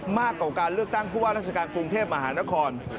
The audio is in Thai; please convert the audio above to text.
มากกว่าการเลือกตั้งผู้ว่าราชการกรุงเทพมหานคร